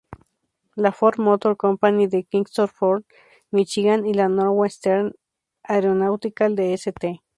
La Ford Motor Company de Kingsford, Míchigan, y la Northwestern Aeronautical de St.